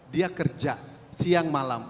dia kerja siang malam